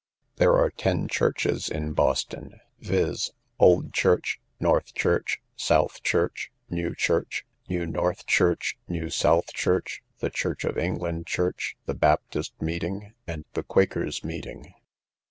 There are ten churches in Boston, viz. Old Church, North Church, South Church, New Church, New North Church, New South Church, the Church of England Church, the Baptist Meeting, and the Quakers' Meeting.